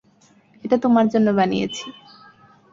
এটা তোমার জন্য বানিয়েছি।